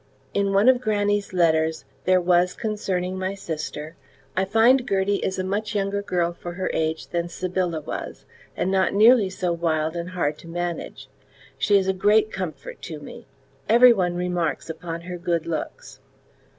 In one of grannie's letters there was concerning my sister: "I find Gertie is a much younger girl for her age than Sybylla was, and not nearly so wild and hard to manage. She is a great comfort to me. Every one remarks upon her good looks."